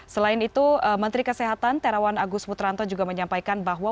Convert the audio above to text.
selain itu menteri kesehatan terawan agus putranto juga menyampaikan bahwa